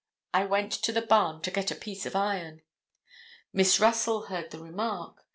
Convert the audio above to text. "I went to the barn to get a piece of iron." Miss Russell heard the remark.